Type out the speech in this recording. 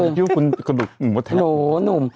คิดว่าคุณหนุ่มว่าแทะโหหนุ่ม